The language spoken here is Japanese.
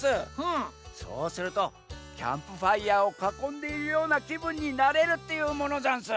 そうするとキャンプファイヤーをかこんでいるようなきぶんになれるっていうものざんす。